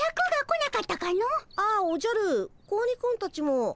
ああおじゃる子鬼くんたちも。